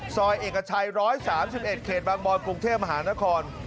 ซอยเอกชัย๑๓๑เขตบางบอยกรุงเทพมหานคร